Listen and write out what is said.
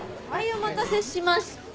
お待たせしました。